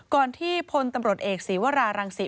ก่อนที่พลตำรวจเอกสีวรารังสิ